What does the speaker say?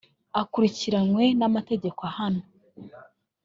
akurikiranwe n’amategeko ahana